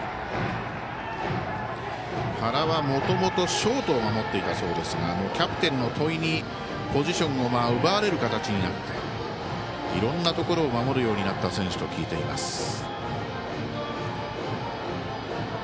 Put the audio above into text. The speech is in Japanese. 原はもともとショートを守っていたそうですがキャプテンの戸井にポジションを奪われる形になっていろんなところを守るようになった選手と聞いています。